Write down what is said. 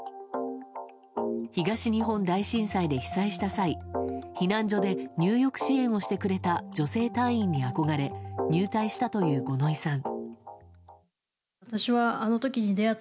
東日本大震災で被災した際避難所で入浴支援をしてくれた女性隊員に憧れ入隊したという五ノ井さん。